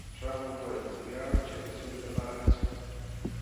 ټرمپ وویل، زه ویاړم چې د سولې لپاره هڅې کوم.